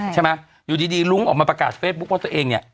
อยู่ดีลุ้งออกมาประกาศเฟซบุ๊คว่าตัวเองเนี่ย